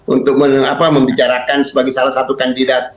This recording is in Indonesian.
untuk membicarakan sebagai salah satu kandidat